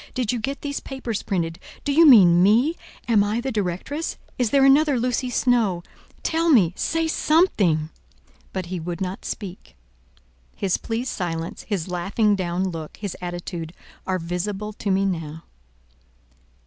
Did you get these papers printed? Do you mean me? Am I the directress? Is there another Lucy Snowe? Tell me: say something." But he would not speak. His pleased silence, his laughing down look, his attitude, are visible to me now.